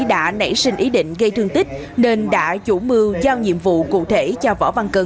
đã nảy sinh ý định gây thương tích nên đã chủ mưu giao nhiệm vụ cụ thể cho võ văn cần